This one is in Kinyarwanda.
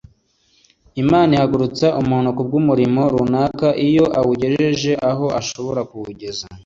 Imana ihagurutsa umuntu kubw'umurimo runaka iyo awugejeje aho ashobora kuwugeza,